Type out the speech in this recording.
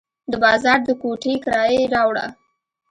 د بازار د کوټې کرایه یې راوړه.